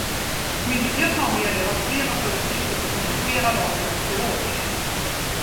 Myndigheten har meddelat flera föreskrifter som kompletterar lagen och förordningen.